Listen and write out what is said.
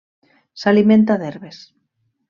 S'alimenta d'herbes.